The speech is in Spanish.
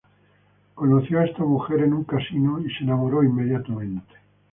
Conoció a esta mujer en un casino y se enamoró inmediatamente.